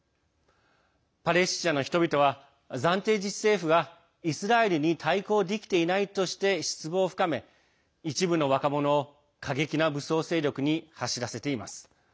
パレスチナの人々は暫定自治政府が、イスラエルに対抗できていないとして失望を深め、一部の若者を過激な武装勢力に走らせています。